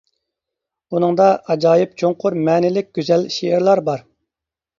بۇنىڭدا ئاجايىپ چوڭقۇر مەنىلىك گۈزەل شېئىرلار بار.